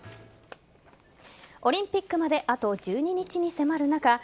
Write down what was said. オリンピックまであと１２日に迫る中